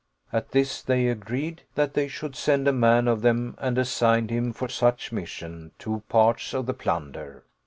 At this they agreed that they should send a man of them and assigned him for such mission two parts of the plunder.